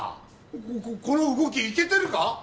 この動きイケてるか？